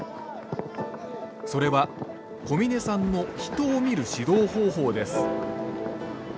それは小嶺さんの人を見る指導方法です。